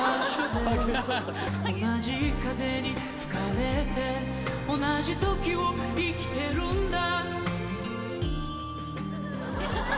「同じ風に吹かれて同じ時を生きてるんだ」